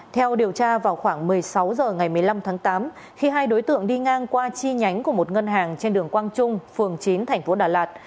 theo điều tra vào khoảng một mươi sáu h ngày một mươi năm tháng tám khi hai đối tượng đi ngang qua chi nhánh của một ngân hàng trên đường quang trung phường chín thành phố đà lạt